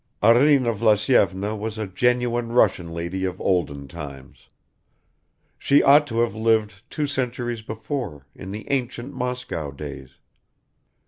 Arina Vlasyevna was a genuine Russian lady of olden times; she ought to have lived two centuries before, in the ancient Moscow days.